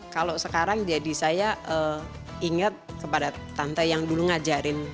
kalau sekarang jadi saya ingat kepada tante yang dulu ngajarin